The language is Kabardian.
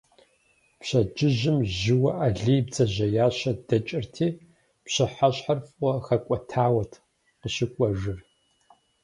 Пщэдджыжьым жьыуэ Алий бдзэжьеящэ дэкӏырти, пщыхьэщхьэр фӏыуэ хэкӏуэтауэт къыщыкӏуэжыр.